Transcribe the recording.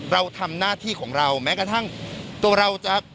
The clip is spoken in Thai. เราทำหน้าที่ของเราแม้กระทั่งตัวเราจะ